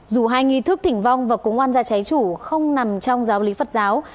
dù hai nghi thức thỉnh vong và cúng an gia trái chủ không nằm trong giáo lý phật giáo